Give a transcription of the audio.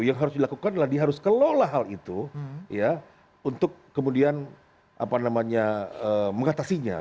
yang harus dilakukan adalah diharuskan kelola hal itu ya untuk kemudian apa namanya mengatasinya